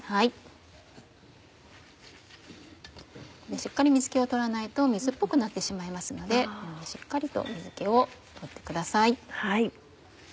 しっかり水気を取らないと水っぽくなってしまいますのでしっかりと水気を取ってください。